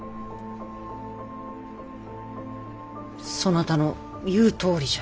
そなたの言うとおりじゃ。